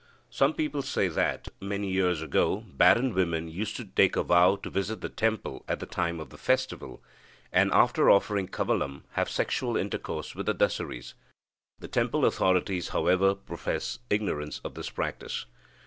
Some people say that, many years ago, barren women used to take a vow to visit the temple at the time of the festival, and, after offering kavalam, have sexual intercourse with the Dasaris. The temple authorities, however, profess ignorance of this practice.